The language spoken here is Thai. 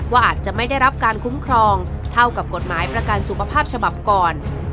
อาจจะไม่ได้รับการคุ้มครองเท่ากับกฎหมายประกันสุขภาพฉบับก่อน